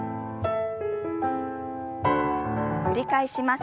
繰り返します。